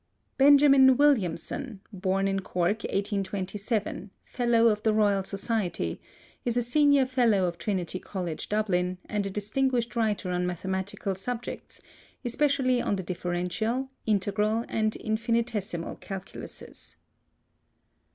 Benjamin Williamson (b. in Cork 1827), F.R.S., is a Senior Fellow of Trinity College, Dublin, and a distinguished writer on mathematical subjects, especially on the differential, integral, and infinitesimal calculuses.